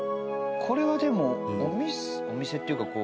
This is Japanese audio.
これはでもお店お店っていうかこう。